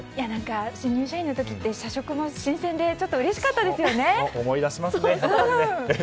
新入社員の時って社食も新鮮でちょっとうれしかったですよね。